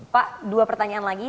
pak dua pertanyaan lagi